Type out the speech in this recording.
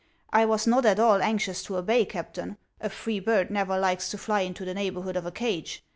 I was not at all anxious to obey. Captain ; a free bird never likes to fly into the neighborhood of a cage.